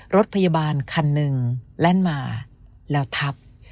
รถพยาบาลคันหนึ่งแล่นมาแล้วทับ